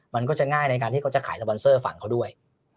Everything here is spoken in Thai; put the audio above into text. มันก็จะง่ายในการที่เขาจะขายสปอนเซอร์ฝั่งเขาด้วย